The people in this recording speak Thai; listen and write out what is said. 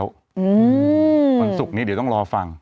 วันศุกร์นี้เดี๋ยวต้องรอฟัง